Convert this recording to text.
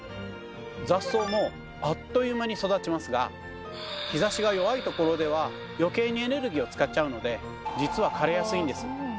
雑草もあっという間に育ちますが日ざしが弱いところでは余計にエネルギーを使っちゃうのでじつは枯れやすいんです。